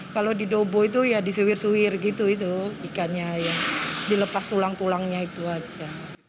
kalau di dobo itu ya disuir suir gitu ikannya dilepas tulang tulangnya itu aja